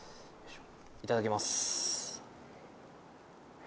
いただきます。